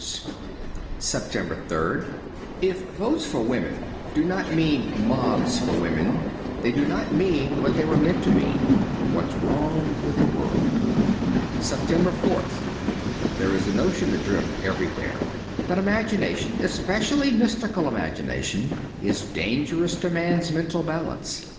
* »7S SEPTEMBER 3rd IF votes for women do not mean mobs for women they do not mean what they were meant to mean. '^ What's Wrong with the World.' 276 SEPTEMBER 4th THERE is a notion adrift everywhere that imagination, especially mystical imagination, is dangerous to man's mental balance.